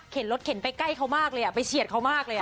เข็นรถเข็นไปใกล้เขามากเลยอ่ะไปเชียดเขามากเลยอ่ะ